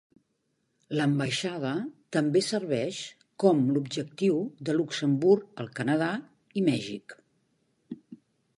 L'ambaixada també serveix com l'objectiu de Luxemburg al Canadà i Mèxic.